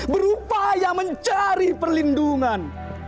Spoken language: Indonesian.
berupaya mencari perlindungan